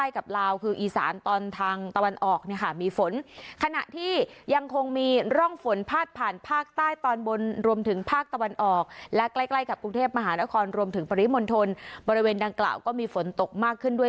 กรุงเทพส์มหานครรวมถึงปริมณฑลบริเวณดังกล่าวก็มีฝนตกมากขึ้นด้วย